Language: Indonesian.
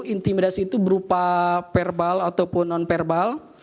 intimidasi itu berupa verbal ataupun non verbal